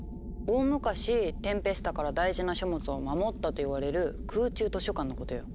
大昔テンペスタから大事な書物を守ったと言われる空中図書館のことよ。